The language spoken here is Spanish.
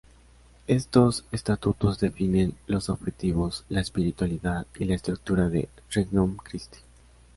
Estos estatutos definen los objetivos, la espiritualidad, y la estructura del Regnum Christi.